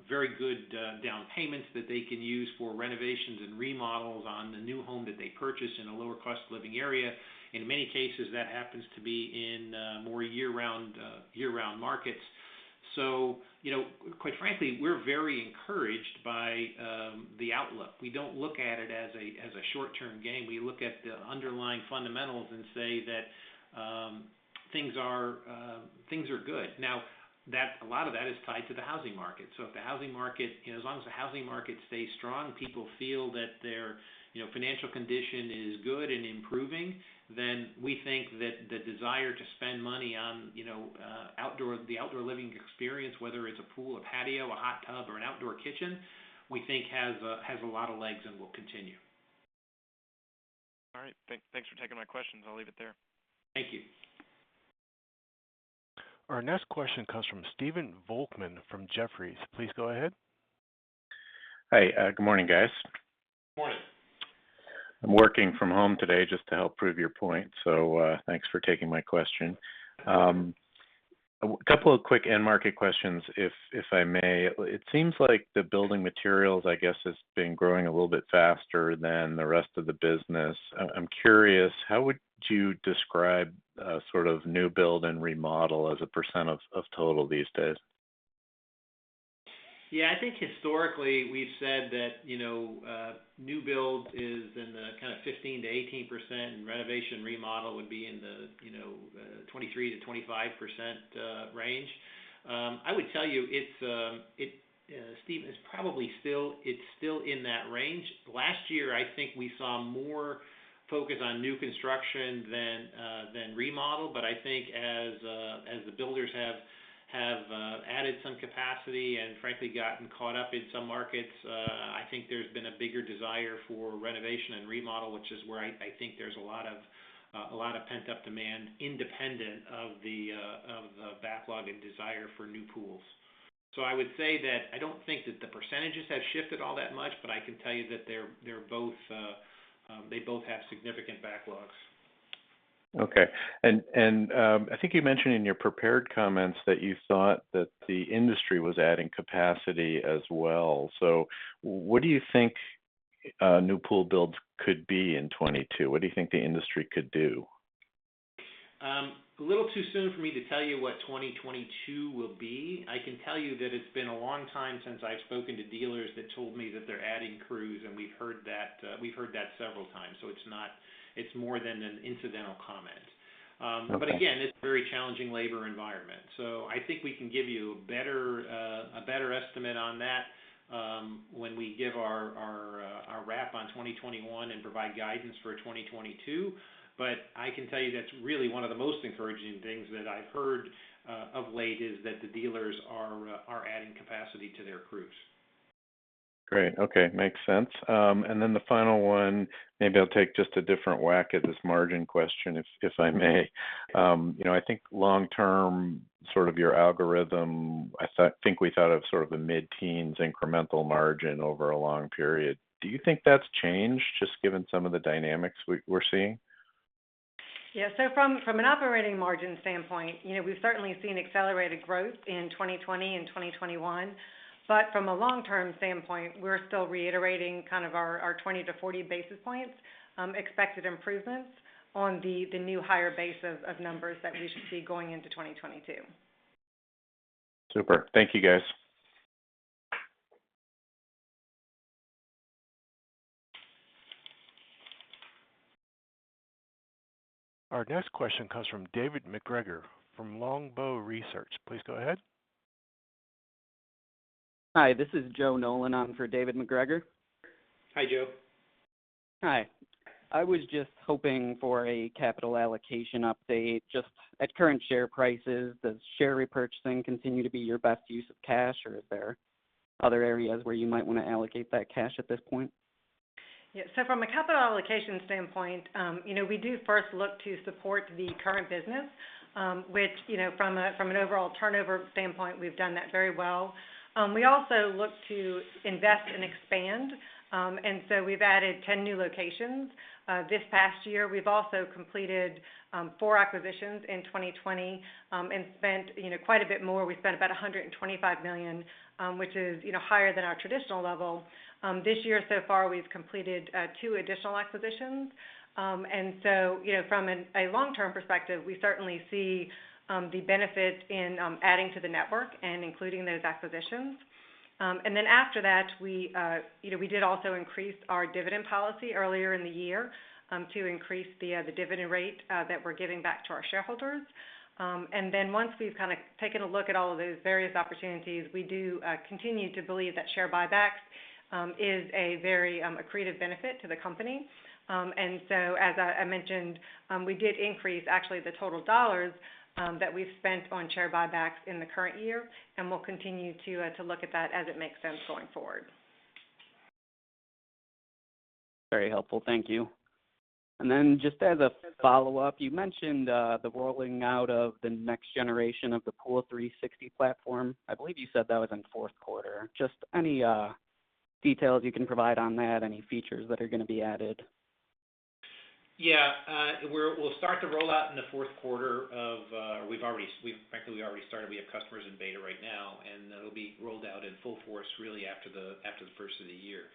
very good down payments that they can use for renovations and remodels on the new home that they purchase in a lower cost living area. In many cases, that happens to be in more year-round markets. Quite frankly, we're very encouraged by the outlook. We don't look at it as a short-term gain. We look at the underlying fundamentals and say that things are good. Now, a lot of that is tied to the housing market. As long as the housing market stays strong, people feel that their financial condition is good and improving, then we think that the desire to spend money on the outdoor living experience, whether it's a pool, a patio, a hot tub, or an outdoor kitchen, we think has a lot of legs and will continue. All right. Thanks for taking my questions. I'll leave it there. Thank you. Our next question comes from Stephen Volkmann from Jefferies. Please go ahead. Hi. Good morning, guys. Morning. I'm working from home today just to help prove your point. Thanks for taking my question. Couple of quick end market questions, if I may. It seems like the building materials, I guess, has been growing a little bit faster than the rest of the business. I'm curious, how would you describe sort of new build and remodel as a percent of total these days? Yeah, I think historically we've said that new build is in the kind of 15%-18%, and renovation remodel would be in the 23%-25% range. I would tell you, Stephen, it's probably still in that range. Last year, I think we saw more focus on new construction than remodel, but I think as the builders have added some capacity and frankly, gotten caught up in some markets, I think there's been a bigger desire for renovation and remodel, which is where I think there's a lot of pent-up demand independent of the backlog and desire for new pools. I would say that I don't think that the percentages have shifted all that much, but I can tell you that they both have significant backlogs. Okay. I think you mentioned in your prepared comments that you thought that the industry was adding capacity as well. What do you think new pool builds could be in 2022? What do you think the industry could do? A little too soon for me to tell you what 2022 will be. I can tell you that it's been a long time since I've spoken to dealers that told me that they're adding crews, and we've heard that several times, so it's more than an incidental comment. Okay. Again, it's a very challenging labor environment. I think we can give you a better estimate on that when we give our wrap on 2021 and provide guidance for 2022. I can tell you that's really one of the most encouraging things that I've heard of late, is that the dealers are adding capacity to their crews. Great. Okay. Makes sense. The final one, maybe I'll take just a different whack at this margin question, if I may? I think long term, your algorithm, I think we thought of the mid-teens incremental margin over a long period. Do you think that's changed, just given some of the dynamics we're seeing? Yeah. From an operating margin standpoint, we've certainly seen accelerated growth in 2020 and 2021. From a long-term standpoint, we're still reiterating our 20 to 40 basis points expected improvements on the new higher bases of numbers that we should see going into 2022. Super. Thank you, guys. Our next question comes from David MacGregor from Longbow Research. Please go ahead. Hi, this is Joe Nolan on for David MacGregor. Hi, Joe. Hi. I was just hoping for a capital allocation update. At current share prices, does share repurchasing continue to be your best use of cash, or are there other areas where you might want to allocate that cash at this point? From a capital allocation standpoint, we do first look to support the current business, which from an overall turnover standpoint, we've done that very well. We also look to invest and expand. We've added 10 new locations this past year. We've also completed four acquisitions in 2020 and spent quite a bit more. We spent about $125 million, which is higher than our traditional level. This year so far, we've completed two additional acquisitions. From a long-term perspective, we certainly see the benefit in adding to the network and including those acquisitions. After that, we did also increase our dividend policy earlier in the year to increase the dividend rate that we're giving back to our shareholders. Once we've taken a look at all of those various opportunities, we do continue to believe that share buybacks is a very accretive benefit to the company. As I mentioned, we did increase actually the total dollars that we've spent on share buybacks in the current year, and we'll continue to look at that as it makes sense going forward. Very helpful. Thank you. Just as a follow-up, you mentioned the rolling out of the next generation of the POOL360 platform. I believe you said that was in fourth quarter. Just any details you can provide on that, any features that are going to be added? Yeah. We'll start the rollout in the fourth quarter. We've practically already started. We have customers in beta right now, and that'll be rolled out in full force really after the first of the year.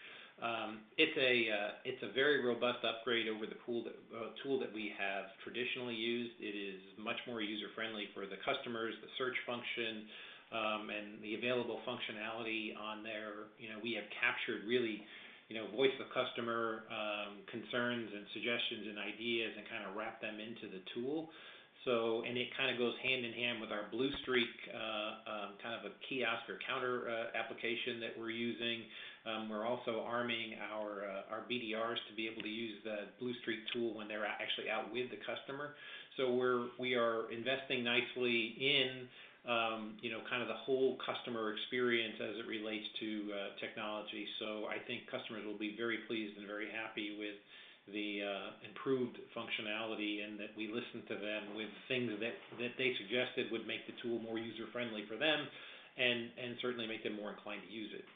It's a very robust upgrade over the tool that we have traditionally used. It is much more user-friendly for the customers, the search function, and the available functionality on there. We have captured really voice of customer concerns and suggestions and ideas, and wrapped them into the tool. It goes hand in hand with our Bluestreak kiosk or counter application that we're using. We're also arming our BDRs to be able to use the Bluestreak tool when they're actually out with the customer. We are investing nicely in the whole customer experience as it relates to technology. I think customers will be very pleased and very happy with the improved functionality, and that we listened to them with things that they suggested would make the tool more user-friendly for them, and certainly make them more inclined to use it.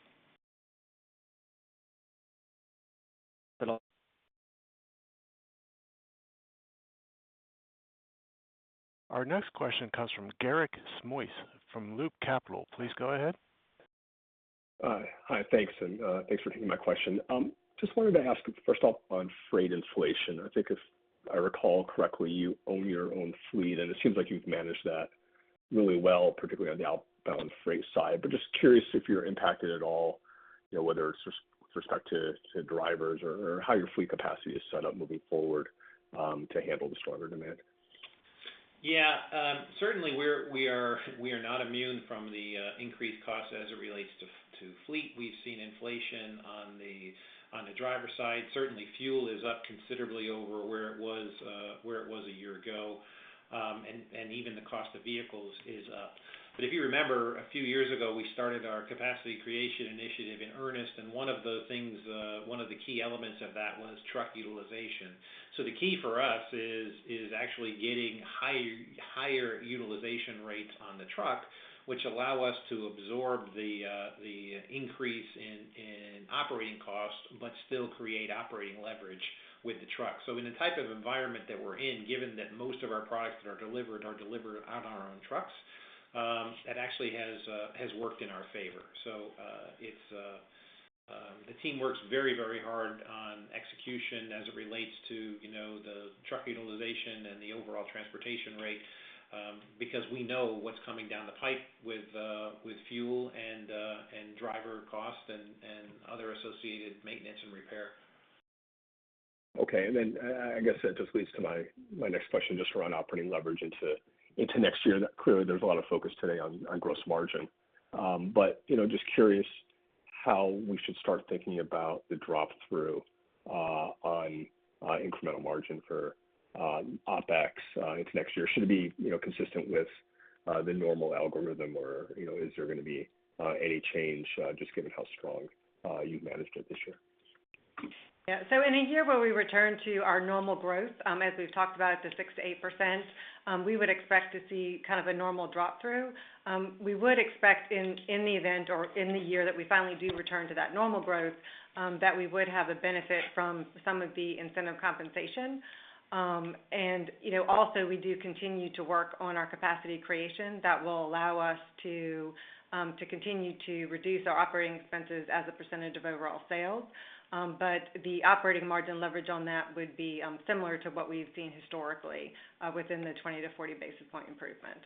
Our next question comes from Garik Shmois from Loop Capital. Please go ahead. Hi. Thanks, thanks for taking my question. Just wanted to ask, first off, on freight inflation, I think if I recall correctly, you own your own fleet, and it seems like you've managed that really well, particularly on the outbound freight side. Just curious if you're impacted at all, whether it's with respect to drivers or how your fleet capacity is set up moving forward to handle the stronger demand. Yeah. Certainly, we are not immune from the increased cost as it relates to fleet. We've seen inflation on the driver side. Certainly, fuel is up considerably over where it was a year ago, and even the cost of vehicles is up. If you remember, a few years ago, we started our Capacity Creation Initiative in earnest, and one of the key elements of that was truck utilization. The key for us is actually getting higher utilization rates on the truck, which allow us to absorb the increase in operating costs but still create operating leverage with the truck. In the type of environment that we're in, given that most of our products that are delivered are delivered on our own trucks. It actually has worked in our favor. The team works very hard on execution as it relates to the truck utilization and the overall transportation rate, because we know what's coming down the pipe with fuel and driver cost and other associated maintenance and repair. Okay, then I guess that just leads to my next question, just around operating leverage into next year. Clearly, there's a lot of focus today on gross margin. Just curious how we should start thinking about the drop-through on incremental margin for OpEx into next year. Should it be consistent with the normal algorithm, or is there going to be any change just given how strong you've managed it this year? Yeah. In a year where we return to our normal growth, as we've talked about, the 6%-8%, we would expect to see a normal drop-through. We would expect in the event or in the year that we finally do return to that normal growth, that we would have a benefit from some of the incentive compensation. Also we do continue to work on our capacity creation that will allow us to continue to reduce our operating expenses as a percentage of overall sales. The operating margin leverage on that would be similar to what we've seen historically within the 20-40 basis point improvement.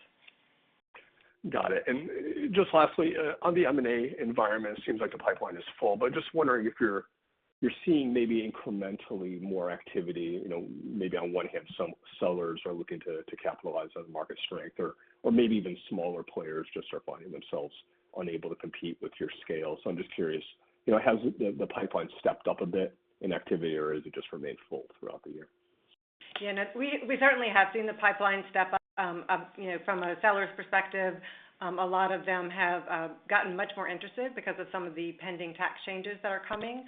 Got it. Just lastly, on the M&A environment, it seems like the pipeline is full, but just wondering if you're seeing maybe incrementally more activity, maybe on one hand, some sellers are looking to capitalize on market strength or maybe even smaller players just are finding themselves unable to compete with your scale. I'm just curious, has the pipeline stepped up a bit in activity, or has it just remained full throughout the year? Yeah, we certainly have seen the pipeline step up. From a seller's perspective, a lot of them have gotten much more interested because of some of the pending tax changes that are coming.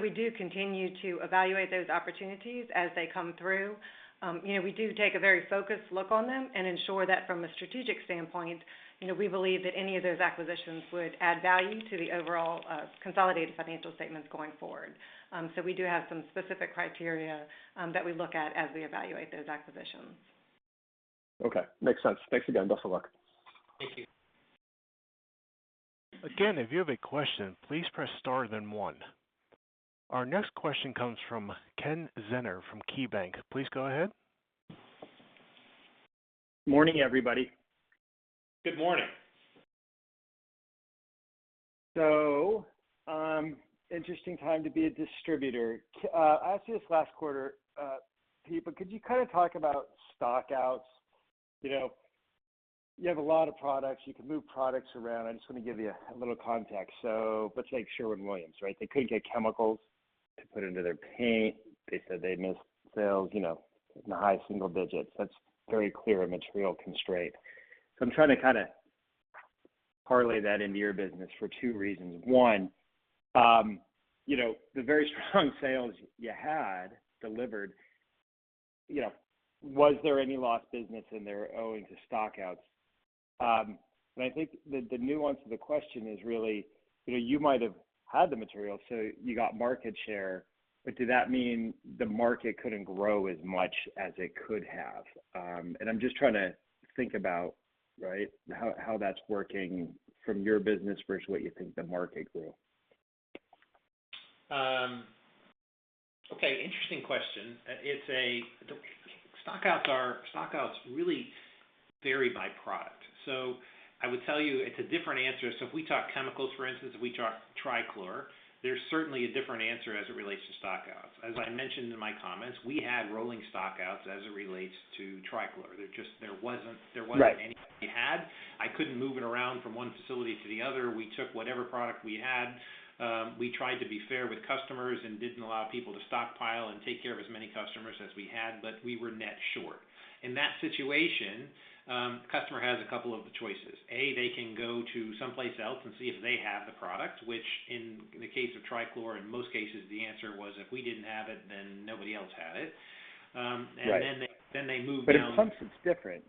We do continue to evaluate those opportunities as they come through. We do take a very focused look on them and ensure that from a strategic standpoint we believe that any of those acquisitions would add value to the overall consolidated financial statements going forward. We do have some specific criteria that we look at as we evaluate those acquisitions. Okay. Makes sense. Thanks again. Best of luck. Thank you. Again, if you have a question, please press star, then one. Our next question comes from Ken Zener from KeyBank. Please go ahead. Morning, everybody. Good morning. Interesting time to be a distributor. I asked you this last quarter, Pete, could you kind of talk about stock-outs? You have a lot of products, you can move products around. I just want to give you a little context. Let's take Sherwin-Williams, right? They couldn't get chemicals to put into their paint. They said they missed sales in the high single digits. That's very clear, a material constraint. I'm trying to kind of parlay that into your business for two reasons. One, the very strong sales you had delivered, was there any lost business in there owing to stock-outs? I think the nuance of the question is really you might have had the material, so you got market share, but did that mean the market couldn't grow as much as it could have? I'm just trying to think about how that's working from your business versus what you think the market grew. Okay, interesting question. Stock-outs really vary by product. I would tell you it's a different answer. If we talk chemicals, for instance, if we talk trichlor, there's certainly a different answer as it relates to stock-outs. As I mentioned in my comments, we had rolling stock-outs as it relates to trichlor. Right There wasn't anybody had. I couldn't move it around from one facility to the other. We took whatever product we had. We tried to be fair with customers and didn't allow people to stockpile and take care of as many customers as we had, but we were net short. In that situation, customer has a couple of choices. A, they can go to someplace else and see if they have the product, which in the case of trichlor, in most cases, the answer was if we didn't have it, then nobody else had it. Right. They move down. In pumps it's different.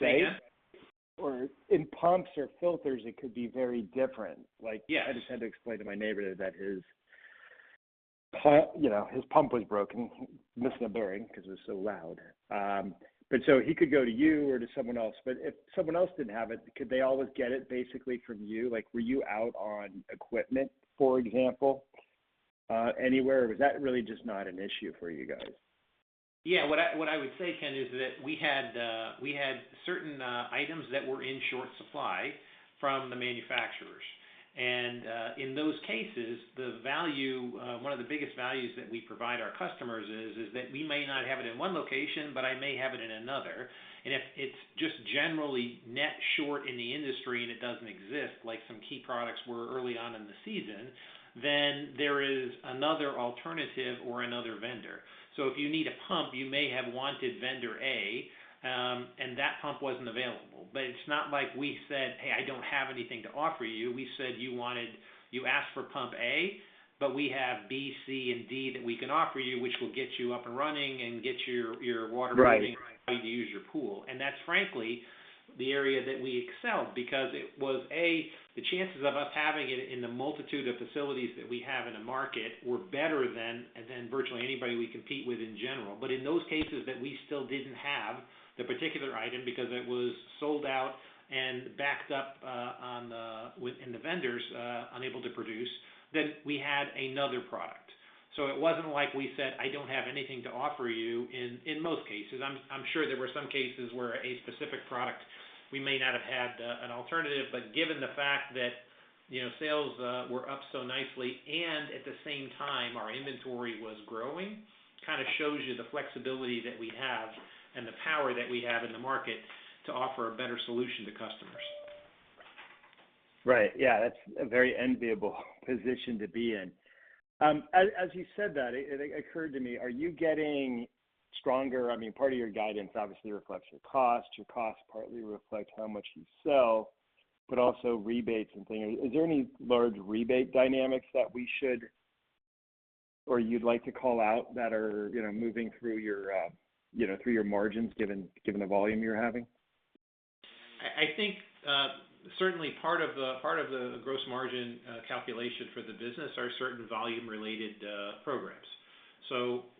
Say again? In pumps or filters, it could be very different. Yes I just had to explain to my neighbor that his pump was broken, missing a bearing because it was so loud. He could go to you or to someone else, but if someone else didn't have it, could they always get it basically from you? Were you out on equipment, for example, anywhere, or was that really just not an issue for you guys? Yeah, what I would say, Ken, is that we had certain items that were in short supply from the manufacturers. In those cases, one of the biggest values that we provide our customers is that we may not have it in one location, but I may have it in another. If it's just generally net short in the industry and it doesn't exist, like some key products were early on in the season, there is another alternative or another vendor. If you need a pump, you may have wanted vendor A, and that pump wasn't available. It's not like we said, "Hey, I don't have anything to offer you." We said, "You asked for pump A, but we have B, C, and D that we can offer you, which will get you up and running... Right -to use your pool. That's frankly the area that- excel because it was, A, the chances of us having it in the multitude of facilities that we have in a market were better than virtually anybody we compete with in general. In those cases that we still didn't have the particular item because it was sold out and backed up within the vendors, unable to produce, then we had another product. It wasn't like we said, "I don't have anything to offer you" in most cases. I'm sure there were some cases where a specific product, we may not have had an alternative, but given the fact that sales were up so nicely and, at the same time, our inventory was growing, kind of shows you the flexibility that we have and the power that we have in the market to offer a better solution to customers. Right. Yeah. That's a very enviable position to be in. As you said that, it occurred to me, are you getting stronger? Part of your guidance obviously reflects your cost. Your cost partly reflects how much you sell, but also rebates and things. Is there any large rebate dynamics that we should, or you'd like to call out, that are moving through your margins, given the volume you're having? I think, certainly part of the gross margin calculation for the business are certain volume-related programs.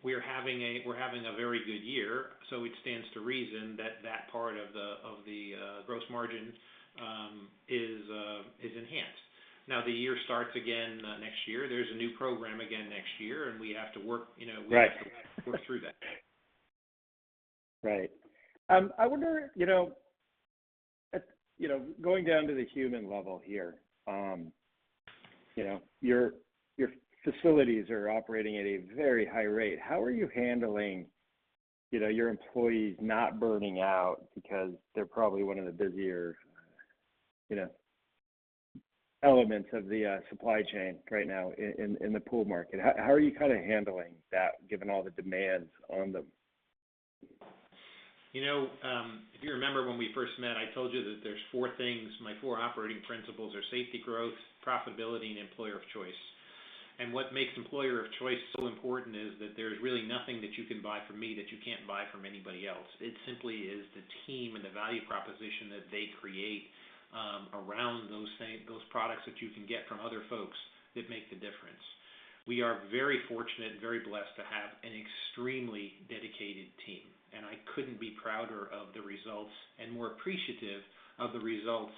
We are having a very good year, so it stands to reason that that part of the gross margin is enhanced. The year starts again next year. There's a new program again next year. Right We have to work through that. Right. I wonder, going down to the human level here, your facilities are operating at a very high rate. How are you handling your employees not burning out because they're probably one of the busier elements of the supply chain right now in the pool market. How are you handling that given all the demands on them? If you remember when we first met, I told you that there's four things, my four operating principles are safety, growth, profitability, and employer of choice. What makes employer of choice so important is that there's really nothing that you can buy from me that you can't buy from anybody else. It simply is the team and the value proposition that they create around those products that you can get from other folks that make the difference. We are very fortunate and very blessed to have an extremely dedicated team, and I couldn't be prouder of the results and more appreciative of the results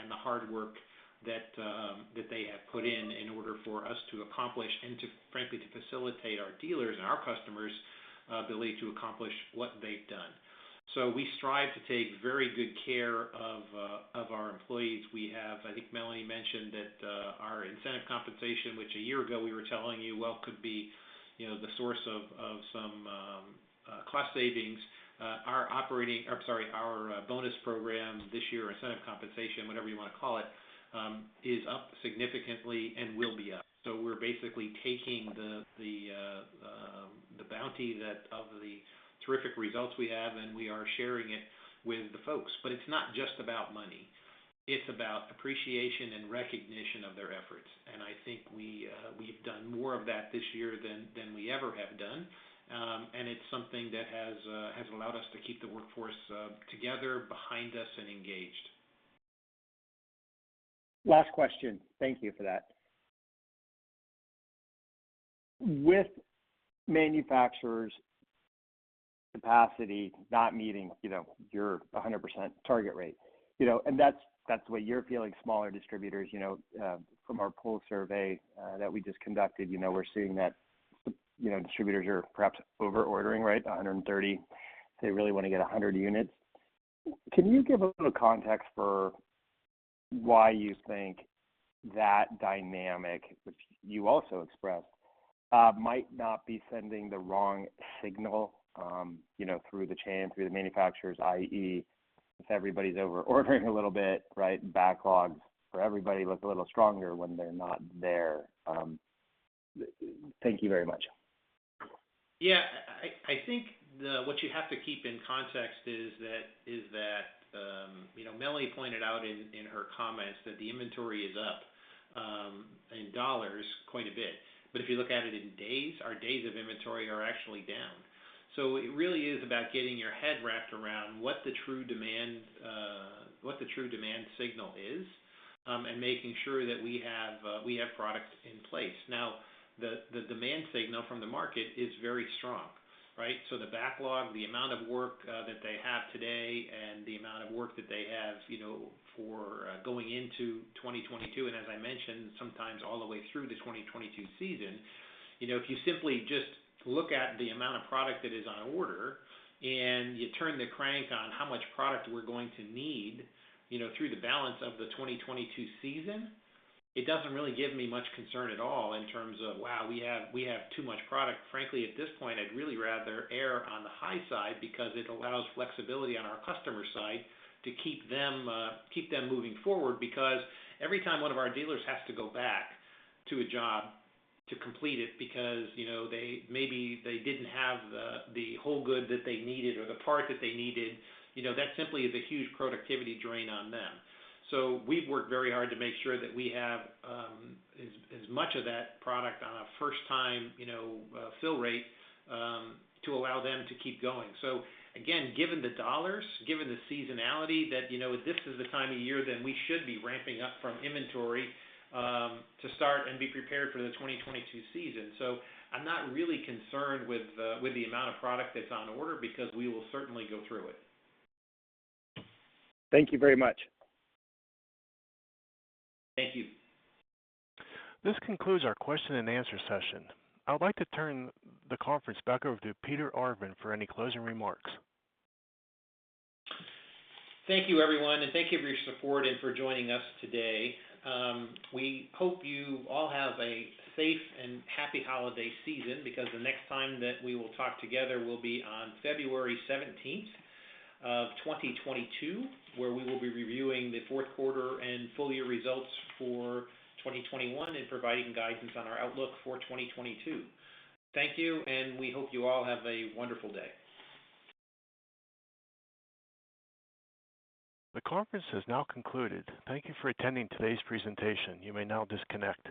and the hard work that they have put in in order for us to accomplish and to, frankly, to facilitate our dealers' and our customers' ability to accomplish what they've done. We strive to take very good care of our employees. We have, I think Melanie mentioned, that our incentive compensation, which a year ago we were telling you, well, could be the source of some cost savings. Our bonus program this year, incentive compensation, whatever you want to call it, is up significantly and will be up. We're basically taking the bounty of the terrific results we have, and we are sharing it with the folks. It's not just about money. It's about appreciation and recognition of their efforts, and I think we've done more of that this year than we ever have done. It's something that has allowed us to keep the workforce together, behind us, and engaged. Last question. Thank you for that. With manufacturers' capacity not meeting your 100% target rate, and that's the way you're feeling. Smaller distributors, from our poll survey that we just conducted, we're seeing that distributors are perhaps over-ordering, 130. They really want to get 100 units. Can you give a little context for why you think that dynamic, which you also expressed, might not be sending the wrong signal through the chain, through the manufacturers, i.e., if everybody's over-ordering a little bit, backlogs for everybody look a little stronger when they're not there? Thank you very much. Yeah. I think what you have to keep in context is that, Melanie pointed out in her comments that the inventory is up in dollars quite a bit, but if you look at it in days, our days of inventory are actually down. It really is about getting your head wrapped around what the true demand signal is, and making sure that we have product in place. Now, the demand signal from the market is very strong. The backlog, the amount of work that they have today, and the amount of work that they have for going into 2022, and as I mentioned, sometimes all the way through the 2022 season. If you simply just look at the amount of product that is on order and you turn the crank on how much product we're going to need through the balance of the 2022 season, it doesn't really give me much concern at all in terms of, wow, we have too much product. Frankly, at this point, I'd really rather err on the high side because it allows flexibility on our customer side to keep them moving forward. Because every time one of our dealers has to go back to a job to complete it because maybe they didn't have the whole good that they needed or the part that they needed, that simply is a huge productivity drain on them. So we've worked very hard to make sure that we have as much of that product on a first-time fill rate to allow them to keep going. Again, given the dollars, given the seasonality that this is the time of year that we should be ramping up from inventory to start and be prepared for the 2022 season. I'm not really concerned with the amount of product that's on order because we will certainly go through it. Thank you very much. Thank you. This concludes our question and answer session. I would like to turn the conference back over to Peter Arvan for any closing remarks. Thank you everyone, and thank you for your support and for joining us today. We hope you all have a safe and happy holiday season, because the next time that we will talk together will be on February 17th of 2022, where we will be reviewing the fourth quarter and full year results for 2021 and providing guidance on our outlook for 2022. Thank you, and we hope you all have a wonderful day. The conference has now concluded. Thank you for attending today's presentation. You may now disconnect.